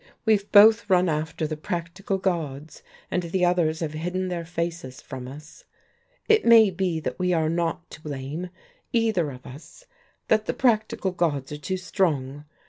"We've both run after the practical gods, and the others have hidden their faces from us. It may be that we are not to blame, either of us, that the practical gods are too strong.